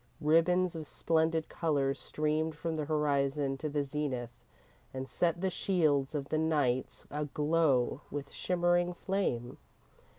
Ribbons of splendid colour streamed from the horizon to the zenith and set the shields of the knights aglow with shimmering flame.